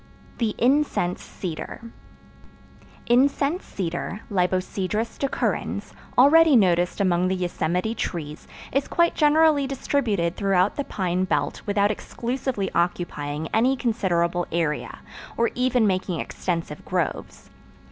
The Incense Cedar Incense Cedar (Libocedrus decurrens), already noticed among the Yosemite trees, is quite generally distributed throughout the pine belt without exclusively occupying any considerable area, or even making extensive groves.